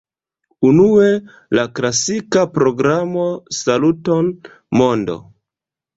Unue, la klasika programo "Saluton, mondo!